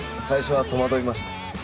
最初は戸惑いました。